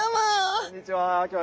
こんにちは。